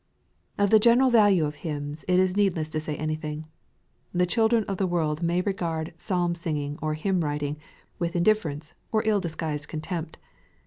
Of the general value of hymns, it is needless to say anything. The children of the world miay regard psalm singing, or hymn writing, with in difference, or ill disguised contempt.